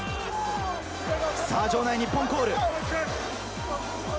場内、日本コール。